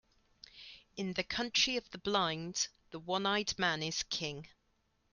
In the country of the blind, the one-eyed man is king.